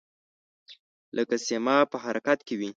لکه سیماب په حرکت کې وي.